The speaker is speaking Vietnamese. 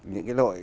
những cái lội